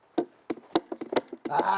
ああ！